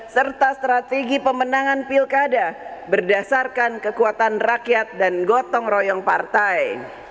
serta strategi pemenangan pilkada berdasarkan kekuatan rakyat dan gotong royong partai